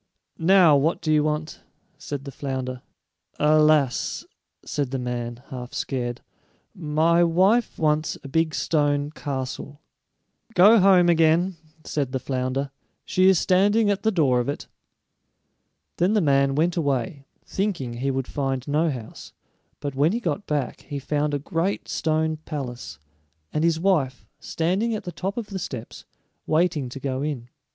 "Now, what do you want?" said the flounder. "Alas," said the man, half scared, "my wife wants a big stone castle." "Go home again," said the flounder; "she is standing at the door of it." Then the man went away, thinking he would find no house, but when he got back he found a great stone palace, and his wife standing at the top of the steps, waiting to go in.